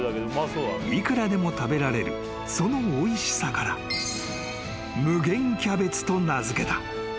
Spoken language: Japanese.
［いくらでも食べられるそのおいしさから無限キャベツと名付けた］